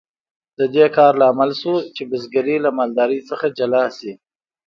د دې کار لامل شو چې بزګري له مالدارۍ څخه جلا شي.